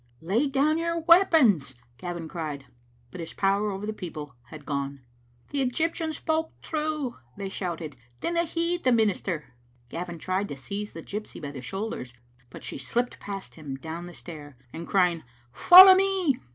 "Lay down your weapons," Gavin cried, but his power over the people had gone. "The Egyptian spoke true," they shouted; "dinna heed the minister." Gavin tried to seize the gypsy by the shoulders, but she slipped past him down the stair, and crying " Follow me!"